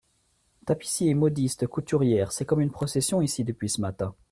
Tapissier, modiste, couturière, c'est comme une procession, ici, depuis ce matin.